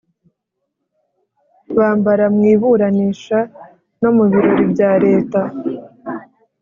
Bambara mu iburanisha no mu birori bya leta